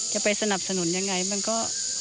จะไปสนับสนุนยังไงมันก็